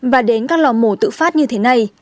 và đến các lò mổ tự phát như thế này